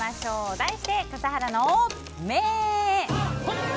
題して笠原の眼。